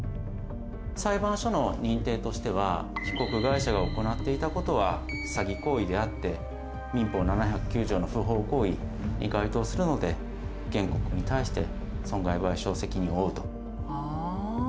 裁判所の認定としては被告会社が行っていたことは詐欺行為であって民法７０９条の不法行為に該当するので原告に対して損害賠償責任を負うと。